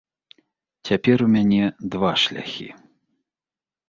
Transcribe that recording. Цяпер у мяне два шляхі.